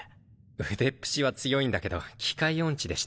腕っ節は強いんだけど機械音痴でして。